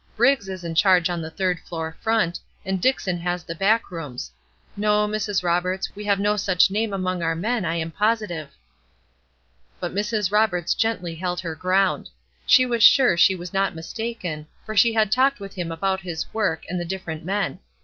Briggs is in charge on the third floor front, and Dickson has the back rooms. No, Mrs. Roberts, we have no such name among our men, I am positive." But Mrs. Roberts gently held her ground. She was sure she was not mistaken, for she had talked with him about his work and the different men.